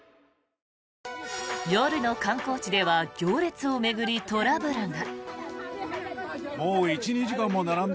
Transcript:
夜の観光地では行列を巡りトラブルが。